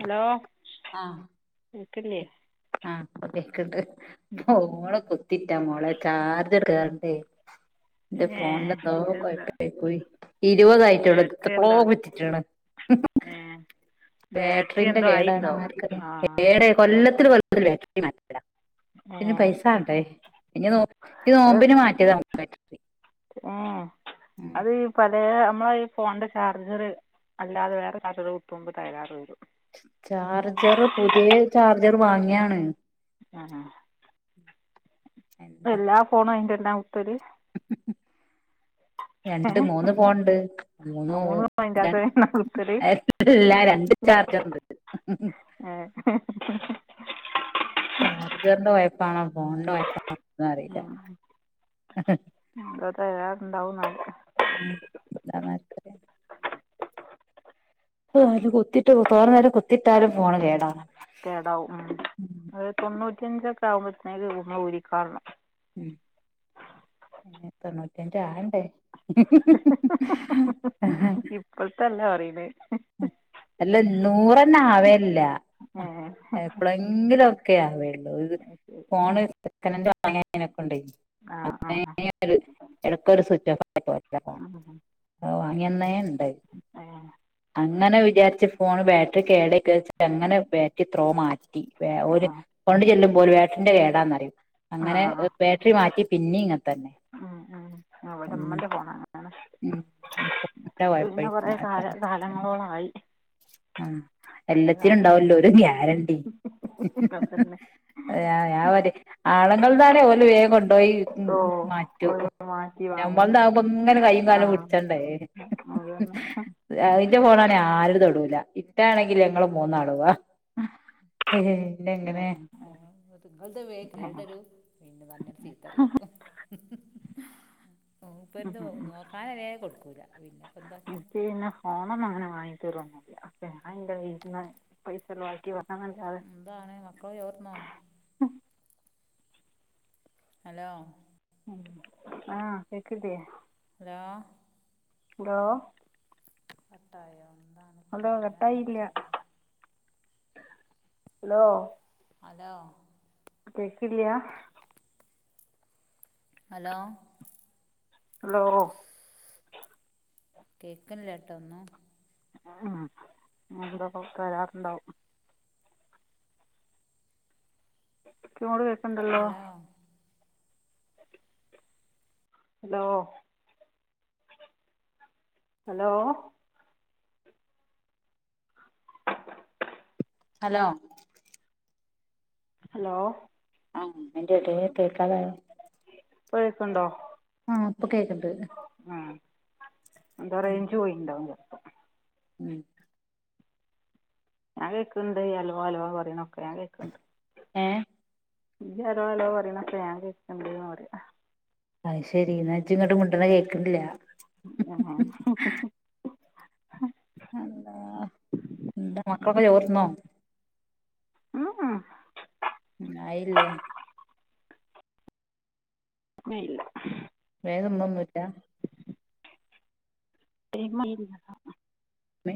Hello. ആ കേൾക്കില്ലേ ആ കേക്ക്ണ്ട് പൂമോള് കു ത്തിട്ടാ മോളെ ചാർജ് കേറടെ എന്റെ ഏ ഫോണിന് എന്തോ എന്താ കൊഴപ്പണ്ട് പോയി ഇരുപതായിട്ടൊ ള്ളൂ ബാറ്ററി എപ്പളോ എന്താ കുത്തിട്ട്ണ്. ഏ. ബാറ്ററി ബേട്രിന്റെ എന്തോ കേടാണോ ആയിണ്ടാവും ആർക്കറിയ ആ ഏടെ കൊല്ലത്ത് ബാറ്ററി ല് ബേട്രിമാറ്റലാ ഏ പിന്നെ പൈസാ ണ്ടേ ഇനി നോ ഈ നോമ്പിന് മാറ്റ്യതാ [unintelligible] മ് അത് പലേ നമ്മളെ ഈ ഫോണിന്റെ ചാർജർ അല്ലാതെ വേറെ ചാർജർ കുത്തുമ്പം തകരാറ് വരും. ചാർജർ പുത്യേ ചാർജർ വാങ്യാണ്. ആഹ്. എന്താ എല്ലാ ഫോണും അയ്ന്റെന്നെ കുത്തല്. [inaudible] ഏ രണ്ട് മൂന്ന് പോണ്ട് മൂന്നു മൂന്നും അതിന്റെ ര അകത്ത് തന്നെ കുത്തല് എ എല്ലാ രണ്ട് ചാർജറിണ്ട്. ആഹ് [unintelligible] ചാർജറിന്റെ വായ്പാണോ ഫോണിന്റെ വയ്പാണോന്ന അറിയില്ല. അതരേ എണ്ടൗന്നാർ ഉം ബമർക്ക [unintelligible] അത് കുത്തിട്ട് തോന നേരം കുത്തിട്ടാലും ഫോണ് കേടാണ്. കേടാവും ഒരു തൊണ്ണൂറ്റിയ അഞ്ചൊക്കെ ആവുമ്പോത്തനേക്ക ഉരിക്കാറണം. ഉം ന് തൊണ്ണൂറ്റഞ്ച് ആണ്ടേ. ആ [unintelligible] പുൾത്തെല്ല പറീണ്. അല്ല നൂറന്ന് ആവേല്ല ഏ എപ്പോളെങ്കിലു ഒക്കെയ ആവേള്ളൂ ഫോണ് സെക്കനന്റ് വാങ്ങീനക്കൊ ണ്ടേ. ആഹ് അങ്ങന ഒരു എടക്കൊരു സ്വിച്ച് ഓഫ് ആയിപൊക്കേണ്. ആഹ് വാങ്ങ്യാന്നേണ്ട്. എയ അങ്ങനെ വിചാരിച്ച ഫോണ് ബാറ്ററി കേടയിക്കെച്ച അങ്ങനെ ബാറ്ററി ത്രോ മാറ്റി വേ ഒര് ആഹ് കൊണ്ട്ചല്ല്പോല് വട്ടറിന്റെ കേടാന്നറയും. അങ്ങനെ ആഹ് ബേട്ടറി മാറ്റി പിന്നെ ഇങ്ങെത്തന്നെ ഉം ഉം ഇവിടെ ഉം. ഉമ്മൻ്റെ ഫോണാണ് ഉം [unintelligible] ട്ട വയപ്പരിക്കും അത ങ്ങളോളായി ആഹ് എല്ലാത്തിനും ഉണ്ടാവല്ലോ ഒരു ഗ്യാരണ്ടി അതന്നെ ആഹ് ഞവരയും ആളങ്ങളൾന്നണെ ഓല് വേഗം കൊണ്ടപോയി ഓ ഒരു മാറ്റൂ- മാറ്റി വാങ്ങും ഞമ്മൾന്നാമ്പം ഇങ്ങനെ കയും കാലം ആഹ് പിടിച്ചണ്ടേ അതന്നെ അതിന്റെ ഫോണണേ ആരും തൊടൂല ഇത്തണെങ്കിലൊ ഞങ്ങള് മൂന്ന അടുവാ ഏഹ്.. പി എങ്ങനെങ്ങളുടെ വേ കേട്ടരു പിന്നെ പറഞ്ഞൽ ചീത്തറിയോം മൂപ്പന്റനോക്കാനറിയെ കൊടുക്കൂല പിന്നെ ഇപ്പ എന്തക്കന? ഫോണന്നും അങ്ങനെ വാങ്ങി തരൊന്നുല്ല അപ്പ ഞാന്റവീട്ടിന്ന് പൈസല വാക്കി വാങ്ന്നല്ലാതെ എന്താണ് മക്കള് ചോർന്നോ? ഹലോ ആഹ് കേക്ക്ട്ടിയേ. ഹലോ. എന്തോ? കട്ടയോ ഹലോ ന്താണിതിപ്പങ്ങനായ കട്ടായില്ല ചെയ്യ? ഹലോ അലോ കേക്കില്ല്യാ.? ഹലോ. ഹലോ കേക്കനില്ലേട്ടോ ഒന്നും. ഉം എന്തൊ ക്കെ വരാറുണ്ടാവും. ക്ക്ങ്ങ്യൊട് കേക്കണ്ടല്ലോ? Hello hello hello? Hello. Hello ആഹ് ഐന്റെടേ കേൾക്കാതായോ? പ്പോഴേക്കുണ്ടോ? ആഹ് ഇപ്പൊ കേക്കണ്ട് ആഹ്. ഉം എന്തൊറെയ്ജ്ജ് പോയിണ്ടാവുംചെപ്പൊ. ഉം. ഞാൻ കേക്ക്ണ്ട് ഈ അൽവ അൽവ പറിണൊക്കെ ഞാൻ കേക്ക്ണ്ട്. ഏഹ്. ഇജ് ഹലോ അലോ പറിണൊക്കെ ഞാൻ കേക്ക്ണ്ട്ന്ന് പറിയാ. അഹ് ശെരി ഇന്നാ ഇജ് ഇങ്ങട്ട് മുണ്ട്ണത് കേക്ക്ണില്ല. ഹ്മ് ഹാ. അള്ളാ എന്താ മക്കളൊക്കെ ചോർ തിന്നോ? ഉം ഉം. ഉം ആയില്ലേ? ഇല്ല ഇല്ല വേഗം തിന്നൊന്നും ഇല്ല ടൈം ആയില്ല ഉമ്മി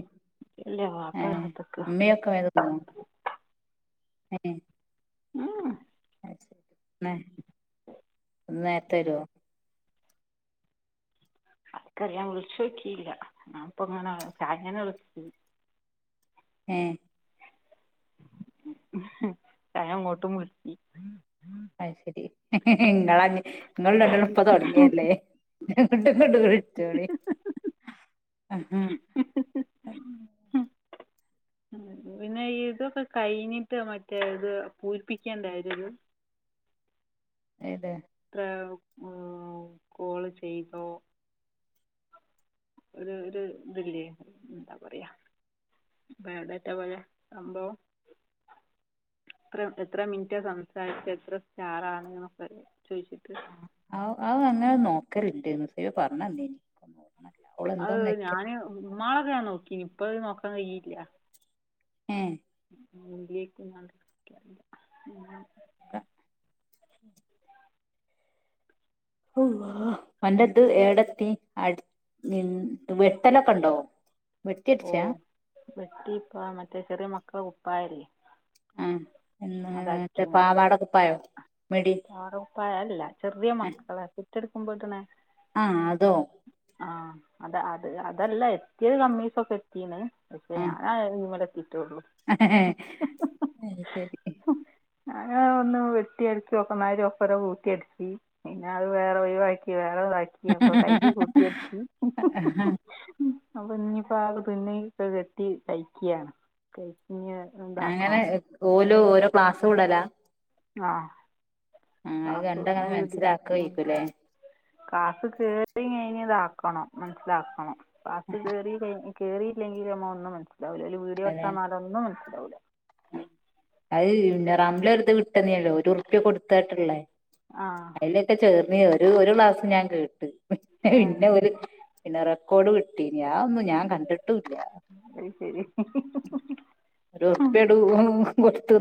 വാപ്പാ വരാൻ ക്കാത്ത്ക്കാ. ക്കായിര്ന്നോ. ഏഹ്. ആഹ്. ന്ന് ഇന്ന് നേരത്ത്. വരോ? ആർക്കറിയാ വിളിച്ചോക്കിയില്ല ഞാൻ ഇപ്പങ്ങനെ ചായ ഇങ്ങനെ [unintelligible] ഏഹ്. ഞാൻ അങ്ങോട്ടും വിള്ച്ച്. അയ് ശെരി ഇങ്ങളാഞ്ഞ് ഇങ്ങള് രണ്ടളും ഇപ്പ തൊടങ്ങിയല്ലേ. അങ്ങട്ടിങ്ങട്ടും വിൾച്ചോളി. പിന്നെ ഇതൊക്കെ കയിഞ്ഞിട്ട് മറ്റേ ഇത് പൂരിപ്പിക്കണ്ടേ അയില് ഒരു ഏത് എത്ര കോള് ചെയ്തോ? ഒര് ഒരു ഇതില്ലേ എന്താ പറയാ. അപ്പൊ എവ്ടെത്താ പറയ സംഭവം. എത്ര എത്ര മിന്റ്റാ സംസാരിച്ചെ എത്ര സ്റ്റാർ ആണ് എന്നൊക്കെ ചോയ്ച്ച്ട്ട്. അഹ് അഹ് അങ്ങനെ നോക്കൽ ഇണ്ടേനു ഇച്ച് അത് പറഞ്ഞന്നീനു. അഹ് ഞാന് ഇന്നാളൊക്കെ ഞാൻ നോക്കിനി ഇപ്പത് നോക്കാൻ കഴിയില്ല. ഏഹ്. ഇല്ല്യേക്കുന്നാ ഇക്കറില്ല ഹ്മ് [inaudible] അള്ളാഹ് അന്റെത് ഏടത്തി അട് ഹ്മ്. ട് വെട്ടലൊക്കണ്ടോ വെട്ടി അട്ച്ചാ. വെട്ടിപ്പ ഇപ്പാ മറ്റേ ചെറിയ മക്കള കുപ്പായല്ലേ. ആഹ് എന്ന ആ മറ്റെ അതടിക്കുന്നു പാവാടകുപ്പായം മിഡി. പാവാട കുപ്പായം അയ് അല്ല ചെറിയ മക്കളെ പെറ്റെടുക്കുമ്പോ ഇട്ണെ. ആഹ് അതോ? ആഹ് അത അത് അതല്ല എത്തിയത് കമ്മീസൊക്കെ എത്തീണ്. പക്ഷെ ഞാന് അത് മലെഎത്തീറ്റുള്ളു. അഹ് ശെരി. ഹും ഞാന് ഒന്ന് വെട്ട്യയട്. ഒപ്പര കൂട്ടി അടിച്ച് പിന്നെ അഹ് വേറെ ഒഴിവാക്കി വേറെതാക്കി. യപ്പം കൈയ്യ് കൂട്ടി അടിച്ച് ആ അപ്പൊ ഇനിയിപ്പോ ആത് തുന്നി ക്കെ കെട്ടി തയ്ക്ക്യാണ്. തെറ്റിഞ് ഇണ്ടാക്കണം. ഓൽ ഓരോ ക്ലാസ് വിടലാ? ആഹ് ആഹ് അത് ക്ലാസ് കണ്ടങ്ങനെ വിടും ഹ്മ്. മനസ്സിലാക്കായിരിക്കുംല്ലേ കാസ് കേട്ടി കഴിഞ്ഞ് ഇതാക്കണം മനസ്സിലാക്കണം കാസ് കേറി കഴിഞ്ഞ്. കേറിയില്ലെങ്കിൽ ഞമ്മ ഒന്നും മൻസിലാവൂല ഓൽ വീഡിയോ ഇട്ടന്നാലൊന്നും മൻസിലാവൂല. ആ അഹ് റംല ഒരിത് വിട്ടെന്നീനല്ലോ ഒരുർപ്പ്യ കൊട്ത്താട്ട്ള്ള. ആഹ് ഇതൊക്കെ ചേർന്ന് ഒരു ഒരു ക്ലാസ്സ് ഞാൻ കേട്ട് ഏഹ് പിന്നെ ഓല് പിന്നെ റെക്കോഡ് കിട്ടീന് അവൊന്നും ഞാൻ കണ്ടിട്ടൂല്ല അത് ശരി പെടു ഉംളകൊട്ത്ത്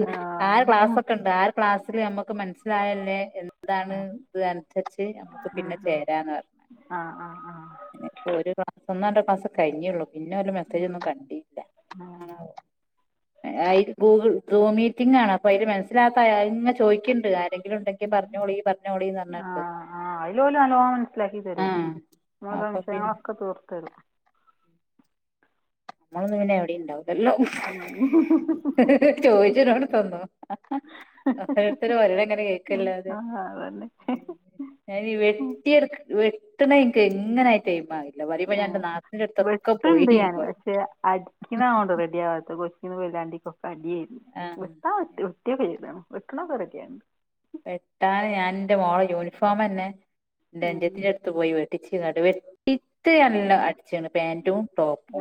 ആര് ആഹ് ഉം ഉം ക്ലാസൊക്കണ്ട് ആര ക്ലാസ്സില് നമ്മക്ക് മനസ്സിലായല്ലെ എന്താണ് ഇത് അൻസരിച്ച് അപ പിന്ന ചേരാന്ന് പർഞ്ഞ് ആഹ് ആഹ് ആഹ് പിന്നിപ്പ ഒര് ക്ലാസ് ഒന്നൊ രണ്ടൊ ക്ലാസ്സ്‌ കഴിഞ്ഞെ ഉള്ളു പിന്നൊര് മെസേജൊന്നും കണ്ടീല്ല ആഹ് ഏഹ് ഇത് ഗൂഗ്ൾ സൂ മീറ്റിങ്ങാണ് പൈല് മൻസ്സിലാക്കാത്ത ചോദിക്ക്ണ്ണ്ട് ആരെങ്കിലും ഇണ്ടെങ്കി പറ്ഞ്ഞോളീ പറ്ഞ്ഞോളീന്ന് എന്നർഞ്ട്ട് ആഹ് ആഹ് അയിലോല് നല്ലോണം മനസ്സ്ലാക്കി തരും നമ്മടെ അപ്പൊ പിന്നെ സംശയങ്ങളൊക്ക തീർത്തെരും നമ്മള് പിന്നെ എവിടെണ്ടാവ് ല്ലലൊ ചോദിച്ചതിനോട് തന്നൊ അപ്പഴത്തിനും ഓരൊവങ്ങനെ ഉം കഴ്ക്കല്ലാതെ [inaudible] ഞാനീ വെട്ടിയെട്ക്ക വെട്ട്ന്ന ഇൻക്ക് എങ്ങനെ തേയ്മായി ഇല്ല വരീമ്പ ഉം ഞാനെന്റെ നാത്തൂന്റട്ത്തൊക്ക പോയീന് ഏഹ് അടിക്കിനാവണ്ടോ റെഡി ആവാത്ത കൊച്ചീന്നു കൊയിലാണ്ടിക്കൊക്കെ രാണ്ടൊപ്പ അടിയാരുന്നു ഈഹ് ഒത്താ ആഹ് ഒത്തു [unintelligible] വെട്ട്ണൊക്ക റെഡ്യാണ് വെട്ടാന് ഞാൻ ഇന്റെ മോള യൂണിഫോമെന്നെ ഉം [unintelligible] ത്തു പോയി വെട്ടിച്ച് ഇത്ത എല്ല അടിച്ച്ണ് പാന്റും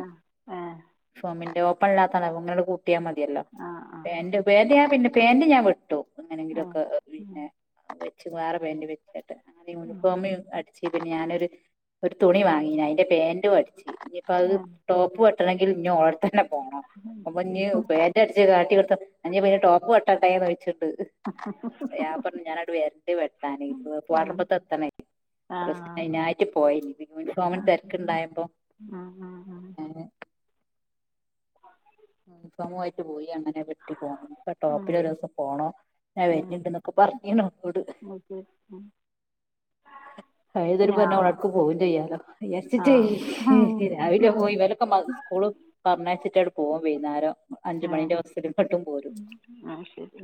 ആ ഏ ഫോമിന്റെ ഓപ്പൺ ഇല്ലാത്തണ് ഇങ്ങനണ്ട് കൂട്ട്യാ മതിയല്ലൊ ആ ആ പ്പേന്റെ പേന്റ് ഞാ പിന്ന പേന്റ് ഞാൻ വെട്ടു ആഹ് എങ്ങനെങ്കിലുമൊക്കെ ഉം പിന്നെ വെച്ച് വേറ പേന്റ് വെച്ചിട്ട് അങ്ങനെ ഉം യൂണിഫോമ് അടി ച്ച് ഞാനൊര് ഒര് തുണി വാങ്ങീന് അയിന്റെ പാന്റു അടിച്ച് പ്പത് ഉം ഏ ടോപ്പ് വെട്ടണെങ്കിൽ ഇഞി ഓളട്തെന്നെ പോണം ഉം അപ്പൊ ശരി ഇഞി പാന്റ് അട്ച്ച് കാട്ടി കൊട്ത്ത ഇഞിപ ടോപ്പ് വെട്ടട്ടേ ന്നൊയ്ച്ച്ണ്ണ്ട് അഹ് പർഞ്ഞു ഞാനങ്ങ്ട് വരണ്ട് വെട്ടാന് ഉം പറമ്പത്തെത്തണെ ആ ആ പ്രശ്നനായിട്ട് പോയേന് യൂണിഫോമിനെ തെരക്ക്ണ്ടായപ്പൊ ആഹ് ആഹ് ഉം സമൂഹായിട്ട് പോയീ നെ വെട്ടി പോ ഉം ഉം ടോപ്പ്ലൊരൂവസം പോണം ഞാൻ വര്ണ് ണ്ട്ന്നൊക്കെ പർഞ്ഞീന് ഇന്നോട് ഉം ഉം തരു ഞാ പറ്ഞ്ഞാ ഓളോട്ക്ക് പോവും ചെയ്യാലൊ ആ വിയാര്ച്ച്ട്ടേ ഉം രാവിലെ ഉം പോയി ഇവലൊക്ക സ്കൂള പറഞ്ഞയ്ച്ചിട്ട് അങ്ങ്ട് പോവും വൈന്നേരം അഞ്ചു മണിന്റെ ബസിലാ ഇങ്ങ്ട്ടും പോരും ആഹ് ശരി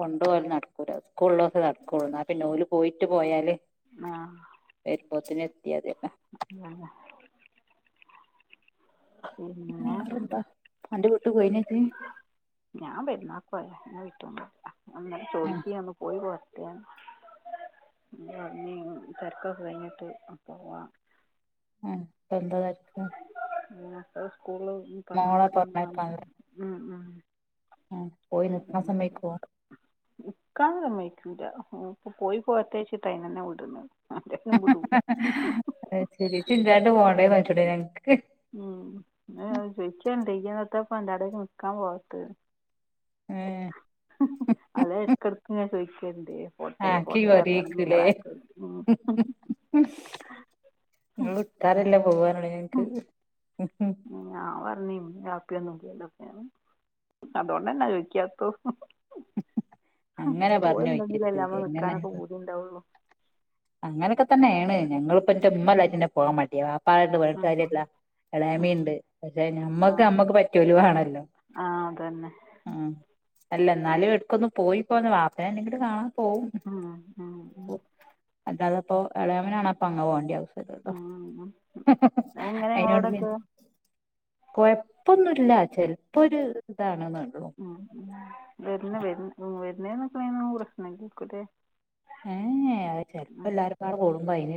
കൊണ്ടാവല് നട്ക്കൂല സ്കൂൾളൊള്ളോസെ നടക്കൊള്ളു ഇന്നാ പിന്നെ ഓല് പോയിട്ട് പോയാല് ആഹ് വരുമ്പോത്തിന് എത്ത്യാതിയല്ലൊ [unintelligible] പിന്നെ വേറെന്ത അന്റ വീട്ടി പോയിനജ് ഞാൻ പെര്ന്നാക്കോയത ഞാൻ വിട്ടോണ്ട ഇന്നലെ ആഹ് ചോയിക്കെ ഒന്ന് പോയി പോ തെരകൊക്ക കഴ്ഞ്ഞിട്ട് ക്ക് പോവാം ആഹ് ഇപ്പെന്ത തെരക്ക് സ്കൂൾല് ഇഞി മോളെ പറഞ്ഞയ്ക്കണം പറഞ്ഞയക്കാൻല്ലേ ഉം ഉം ആഹ് പോയി. നിക്ക്ണ സമയത്ത് പോവും നിക്കാൻ സമ്മയിക്കൂല്ല. ഇപ്പൊ പോയി പോരട്ടെ ചോയിച്ചിട്ട് അയിനന്നെ വിട്ണില്ല. അയിനന്നെ വീടുല്ല. അയ്ശരി. ഇജ്ജില്ലാണ്ട് പോണ്ടേ വച്ച്ട്ടാ ഞങ്ങ്ക്ക്. ഉം [unintelligible] ചോദിക്ക്യണ്ട് ഇയ്യെന്താ [unintelligible] നിക്കാൻ പോവാത്ത്. ഏഹ് അത് ഇടക്കിടക്ക് ഇങ്ങനെ ചോയിക്കണ്ട് പോട്ടെ ആക്കി പോട്ടെണ്ട് കൊറേക്കുലേ പറഞ്ഞ്ക്കാണ്ട്. നിങ്ങള് വിട്ടാരല്ലെ പോവാനുള്ളെ ഞങ്ങ്ക്ക്. ഞാൻ പറഞ്ഞീ ഉമ്മയും ബാപ്പയു ഒന്നും [unintelligible] അതുകൊണ്ടന്നാ ചോദിക്കാത്തതും. അങ്ങനെ പറഞ്ഞോയ്ക്കരുത് ഓൽണ്ടെങ്കിലല്ലേ നമുക്ക് നിക്കാനൊക്കെ പൂതി ഇണ്ടാവൊള്ളു. അങ്ങനെയൊക്കെ തന്നേണ്. ഞങ്ങളിപ്പ ഉം. എന്റുമ്മാലായിട്ട്ന്നെ പോവാൻ മടിയാ. വാപ്പായിട്ട് പറഞ്ഞിട്ട് കാര്യല്ലാ. ഉം. ഉം. എളീമയിണ്ട്. പക്ഷെ ഞമ്മക്ക് നമ്മക്ക് പറ്റിയോല് വേണല്ലോ. ആഹ് അതന്നെ. ആഹ് എന്നാലും എടക്കൊന്ന്പോയി പോന്ന്. വാപ്പനെങ്കും കാണാൻ പോവും. ഉം. ഉം. ഉം. അല്ലാതപ്പോ എളയമെനാണപ്പ അങ് പോണ്ട്യ. ഉം. ആളെങ്ങനെ അയിനോട് പി ഇങ്ങളോടൊക്കെ? കൊഴപ്പൊന്നുല്ല. ചെൽപ്പോ ഒര് ഇതാണെന്നള്ളൂ. വരണ വ വരണേനും നിക്കണിനൊന്നും പ്രശ്നല്ലായ്ക്കൂലെ? ഏയ് അത് ചെൽപ്പോ എല്ലാരുപ്പാടെ കൂടുമ്പോ അയിന്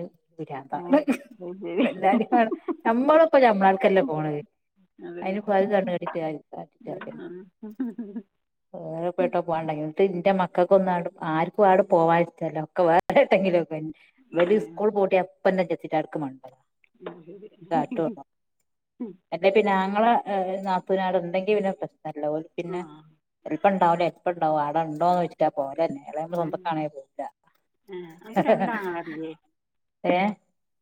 ഏ പിരാന്താണ്. അത് ശരി എല്ലാരും കാണും നമ്മളിപ്പോ നമ്മളാൾക്കല്ലേ പോണ്. അതന്നെ അതിനിപ്പോ അത് കണ്ണ് തട്ടിട്ട് കാര്യോല്ല. [unintelligible] വേർപെട്ടോ പോകണ്ടെങ്കിട്ട് ഇന്റെ മക്കൾക്കൊ ഒന്ന ആർക്കും ആട പോവാനിഷ്ടല്ല.. ഒക്കെ വേർ ട്ടെങ്കിലും ഒക്കെ ഏ വലിയ സ്കൂൾപൂട്ടിയപ്പന്ന ജെസ്സിത്താടക്ക് മാണം. അത് ശരി [unintelligible] അല്ലെ പിന്നെ ആങ്ങളെ നാത്തുന് അവിടെ ഉണ്ടങ്കി പിന്നെ പ്രശ്നല്ലോ യി ആ പിന്നെ എൾപം ഉണ്ടാവുല്ല എൾപം ഉണ്ടാവും ആടണ്ടോന്ന് ഉം. ചോയിച്ചിട്ടാ പോലെന്നെ ഇളെ നമ്മള് സ്വന്തക്കാണെങ്കിൽ പോകും. ഉം അന്ക്ക് രണ്ടാങ്ങളാരില്ലേ? ഏഹ്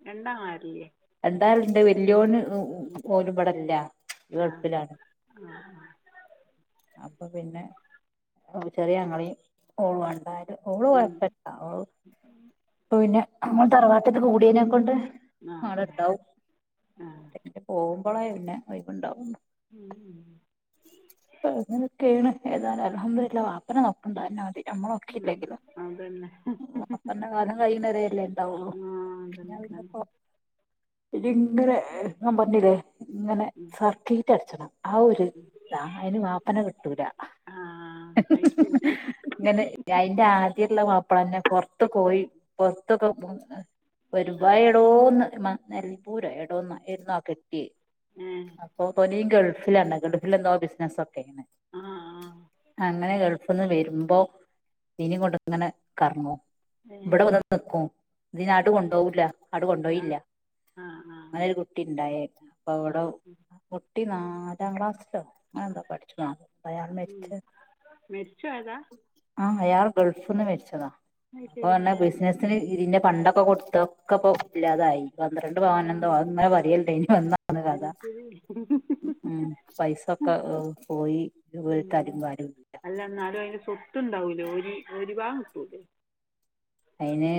രണ്ടാങ്ങളാരില്ലെ? രണ്ടാള്ണ്ട്. വല്യോന് ഓല്ബെടില്ല. ആ ഗൾഫിലാണ്. ആ ആ അപ്പപിന്നെ ചെറിയ അങ്ങളേം ഓളണ്ടാലും. ഓള് ഉം കൊഴപ്പല്ല. പിന്നെ നമ്മളെ തറവാട്ടത്ത് കൂടിയതിനെക്കൊണ്ട് ആ ആടുണ്ടാവും. ആ പോകുമ്പോളായി പിന്നെ ഒഴിവുണ്ടാവുള്ളു. ഉം ഉം അങ്ങനെക്കെയാണ് ഏതാനും അൽഹംദുലില്ലാഹ് വാപ്പാനെ നോക്കണ്ട്. അതന്നെ മതി. നമ്മള നോക്കില്ലെങ്കിലും അതുതന്നെ വാപ്പാന്റെ കാലം കഴിയണാരല്ലേ ഉണ്ടാവുള്ളു. ആഹ് ഇജ് ഇന്റെ നമ്പർഞ്ഞില്ലേ ഇങ്ങനെ സർക്കിട്ട അടച്ചണം. ആ ഒരു ഇതാ അയിന് ബാപ്പന കിട്ടൂല്ല. ആ അതുശരി [unintelligible] ങ്ങനെ ഞ അയിന്റെ ആദ്യുള്ള മാപ്പളന്നെ പുറത്തപോയി പുറത്തൊക്കെ വരുവ ആ എടോന്ന് നെൽപൂര എടോന്ന് ആയിരുന്നു ആ കെട്ടിയ ഉം അപ്പൊ തോനിയും ഗൾഫിലാര്ന്ന് ഗൾഫിൽന്തോ ബിസിനസ്സൊക്കെയിന്. ആഹ് അങ്ങനെ ഗൾഫ്ന്ന് വെരുമ്പം ഇതിനേം കൊണ്ട്ങ്ങനെ കറങ്ങും ഏ ഇവിടെ വന്നട്ട് നിക്കും ഇതിനാട്ട് കൊണ്ടോവൂല്ല. ആട് കൊണ്ടോയില്ല. ആഹ് ആഹ് ഒരു കുട്ടി ഇണ്ടായേ അപ്പവിട കുട്ടി നാലാം ക്ലാസിലോ അഎന്താ പഠിച്ചണോ അയാള് മരിച്ചു മരിച്ചു പോയതാ ആഹ്‌ അയാൾ ഗൾഫ്ന്ന് മരിച്ചതാ അപ്പൊ അതുശരി ർഞ്ഞാ ബിസ്നസ് ന് ഇതിന്റെ പണ്ടൊക്കെ കൊടുത്തൊക്കപ്പൊ ഇല്ലാതായി പന്ത്രണ്ട് ആ പവനന്തോ അത് അങ്ങനെ പറീണ് ണ്ടായിര്ന്നു [unintelligible] കഥ [unintelligible] ഉം പൈസൊക്കെ പോയി ഒര് തലീം വാലൂല്ല അല്ല ന്നാലും ഐന് സ്വത്ത്ണ്ടാവൂലേ ഓരി ഓരി ഭാഗം ക്ട്ടൂലേ ഐന്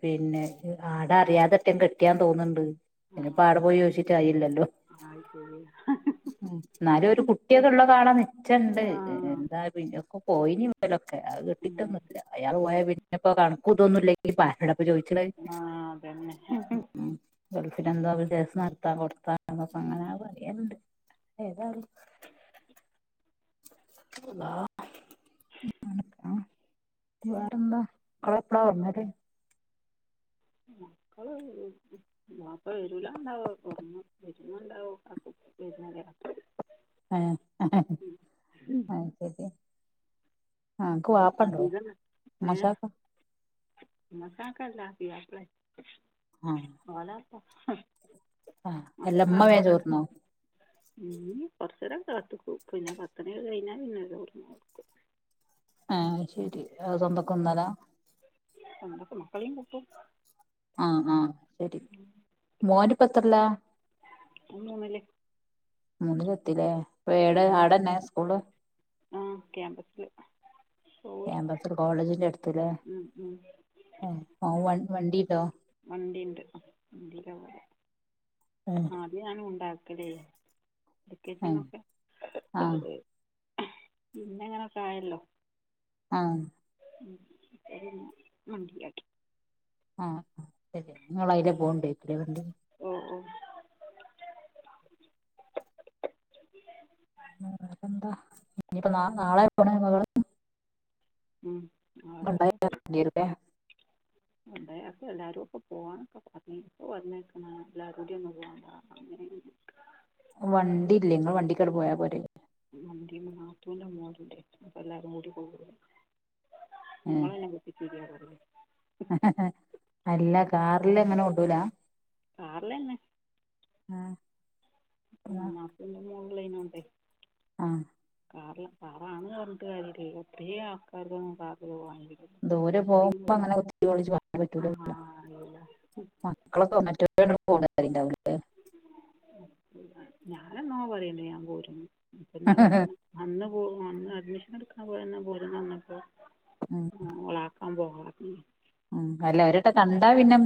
പിന്നെ ആടെ അറിയാതെ ത്തേമ് കെട്ട്യാ തോന്ന്ണ്ട് ആ പിന്നെ പ്പൊ അവടെ പോയി ചോയ്ച്ചിട്ടായില്ലല്ലോ അത് ശെര്യാ ഉം ന്നാലും ഒരു കുട്ട്യോക്കെ ള്ളതവടെ നിച്ചണ്ട് ആ ഹ് എന്തയലും പിന്നെക്കെ പോയിനി ബലൊക്കെ അത് ഉം, കിട്ടിട്ടൊന്നുല്ല അയാള് പോയ ഉം. പിന്നെ പിന്ന പ്പോ കണക്കു തൊന്നുല്ല പിന്നെ ആരോടപ്പ ചോയ്ച്ച്ണത് ആ അതന്നെ ഗൾഫിലാ എന്താ വ്യ നടത്താ കൊടുത്താ എന്നൊക്കെ അങ്ങനെ പറയണ്ട്ഏത [unintelligible] വേറെന്താ ങ്ങളെ പ്പളാ അറിഞ്ഞത് മക്കള് [unintelligible] വാപ്പ വരൂല ഉണ്ടാവോ കൊറന്ന വരണ്ടാവോ വരുന്ന കേ അയ് ശെര്യാ ഉം അതികം ഏഹ് ഉമ്മച്ചാക്ക ഇന്നക്കാക്കല്ല പുയാപ്ലെ ആഹ് ഓലപ്പ ആഹ് അല്ല അമ്മ വേം ചോർന്നോ ഉം കൊർചേരൊക്കെ കാത്ത്ക്കുംപിന്നെ പത്തണ്യൊക്കെ കഴിഞ്ഞാ പിന്നെ ചോറ്ന്നോർ ആഹ് ശെരി സ്വന്തക്കൊന്നല്ലെ എക്ക് മക്കളും കൂട്ടും ആഹ് ആഹഹ് ശെരി മോന് പ്പത്രലാ ഓം മൂന്നില് മൂനിലെത്തിലേ ഏടെ ആടന്നെ സ്കൂള് ആഹ് ക്യാമ്പസ് ല് ക്യാമ്പസ്ൽ കോളേജിന്റെ അട്ത്ത്ലേ ഉം, ഉം. ഏഹ് വ വണ്ടീണ്ടോ വണ്ടീണ്ട് വണ്ടീലാ ഏ ആദ്യം ഞാൻ കൊണ്ടാക്കലേര്ന്നു എൽ കെ ജി ആഹ് ന്നൊക്കെ പിന്ന ങ്ങനൊക്കായല്ലോ ആഹ് ഉം ശെരി ന്നാ നന്ദി ഓക്കെ ആഹ് ശെരി ങ്ങളെ ഐലെ പോണ് ണ്ടേര്ക്കുലേ വണ്ടി ആഹ് ആഹ് ആഹ് വേറെന്താ ഞ്ഞിപ്പൊ ന നാളെ പോണത് മകള് ഉം നാളെ രാവിലെ പോവും [unintelligible] ഉണ്ടേ അപ്പൊ എല്ലാവാരും ഒക്കെ പോവാനൊക്കെ പറഞ്ഞപ്പ വന്നേക്കുന്ന എല്ലാവരുംൂടെയും ഒന്നന്ന് പോകണ്ട അങ്ങന ങ്ങട്ട് വണ്ടില്ലേ ഇങ്ങളെ വണ്ടിക്കണ് പോയാ പോരെ വണ്ടീല് നാത്തൂന്റെ മോന്ണ്ടേ അപ്പ എല്ലാരും കൂടി പോവൂലെയ് നമ്മളെന്നെ പിപ്പിരാ കാരല്ലോ അല്ല കാറില ങ്ങനെ കൊള്ളൂല കാറിലെന്നെ ആഹ് മാപ്ലീം ന്റെ മോളൂണ്ടേ ആഹ കാ കാറണെന്ന് പറഞ്ഞികാര്യ ഒന്നുല [unintelligible] [unintelligible] ആ അല്ല മക്കളൊക്കെ [unintelligible] ഞാനെന്നോ പറയന്ന്‌ ഞാൻ പോവൂലാന്ന് ഇപ്പന്നപറഞ്ഞത് കൊണ്ടോവല്ണ്ടാവൂല അന്ന് പോ വന്ന് അഡ്മിഷൻ എടുക്കാൻ പോന്ന പോലം വന്നപ്പോള [unintelligible] അല്ല ഒരട്ട കണ്ടാ പിന്നെ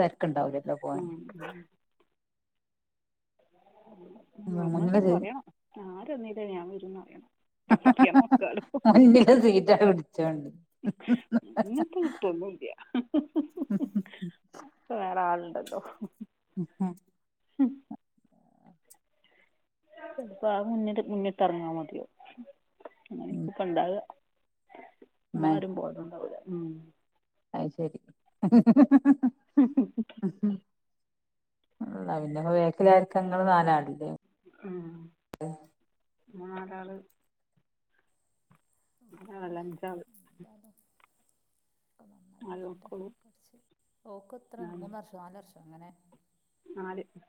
തിരക്കുണ്ടാവലല്ലോ ആ ആ ഒന്നാത്തീ മുന്നില് സീ പറയണം ആര് വന്നില്ലേലും ഞാൻ വരുംന്ന് പറയണം ഇപ്പത്തിക്ക നോസ്ക്ക [unintelligible] ഈ സീറ്റ പിടിച്ചോ [unintelligible] ഇന്നത്തെട്ടൊന്നില്ല വേറാളുണ്ടല്ലോ അ ഇപ്പ ആ മുന്നി മുന്നിട്ടറങ്ങാ മതിയോ അങ്ങന ഇപ്പണ്ടാകാ ഉമ്മേ മാരും പോരല്ണ്ടാവൂല്ല ഉ അഹ്‌ ശരിഹ്‌ ഹ്‌ ഹ്‌ ഹ്‌ ഹ്‌ ഹ്‌ ഉംഹ്‌ ഹ്‌ ഹ്‌ മ്മ് പിന്നെപ്പ ബേക്കിലആരാ ഇ രിക്ക ഇങ്ങള് നാല് അ നാലാള് അല്ലഞ്ചാള് നന്നായി വരട്ടെ. നാലക്കളും ഞാനും നാലാർഷങ്ങനെ നാല്